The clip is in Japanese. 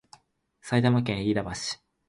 埼玉県飯田橋